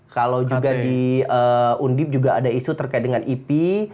kalau juga di undip juga ada isu terkait dengan ipi